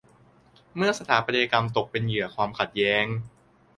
เมื่อสถาปัตยกรรมตกเป็นเหยื่อความขัดแย้ง